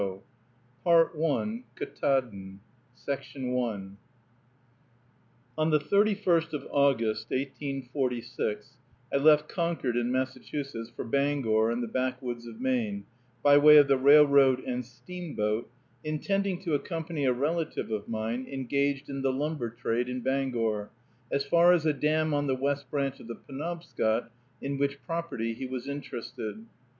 THE MAINE WOODS KTAADN On the 31st of August, 1846, I left Concord in Massachusetts for Bangor and the backwoods of Maine, by way of the railroad and steamboat, intending to accompany a relative of mine, engaged in the lumber trade in Bangor, as far as a dam on the West Branch of the Penobscot, in which property he was interested.